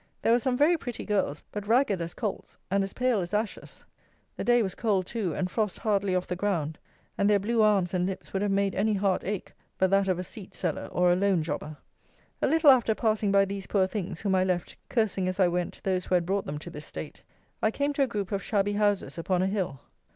There were some very pretty girls, but ragged as colts and as pale as ashes. The day was cold too, and frost hardly off the ground; and their blue arms and lips would have made any heart ache but that of a seat seller or a loan jobber. A little after passing by these poor things, whom I left, cursing, as I went, those who had brought them to this state, I came to a group of shabby houses upon a hill.